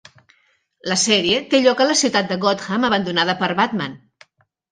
La sèrie té lloc a la ciutat de Gotham abandonada per Batman.